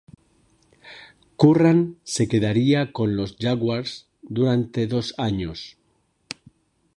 Curran se quedaría con los Jaguars durante dos años.